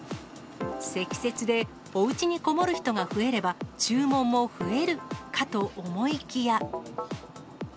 積雪でおうちにこもる人が増えれば、注文も増えるかと思いきや。